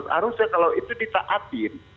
harusnya kalau itu ditaatin